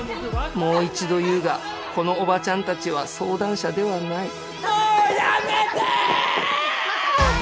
もう一度言うがこのおばちゃん達は相談者ではないもうやめて！！